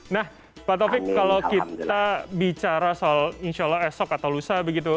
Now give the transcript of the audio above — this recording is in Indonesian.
nah pak taufik kalau kita bicara soal insya allah esok atau lusa begitu